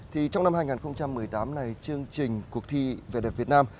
thì trong năm hai nghìn một mươi tám này chương trình cuộc thi về đẹp việt nam